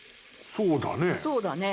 そうだね。